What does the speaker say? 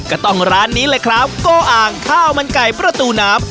ก็ต้องร้านนี้เลยครับโกอ่างข้าวมันไก่ประตูน้ำ